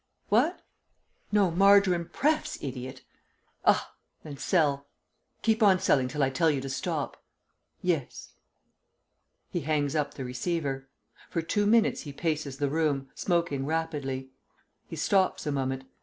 What?... No, Margarine Prefs., idiot.... Ah! Then sell. Keep on selling till I tell you to stop.... Yes." He hangs up the receiver. For two minutes he paces the room, smoking rapidly. He stops a moment